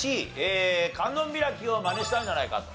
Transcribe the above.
観音開きをマネしたんじゃないかと。